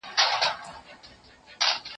يادونه د ښوونکي له خوا کېږي؟!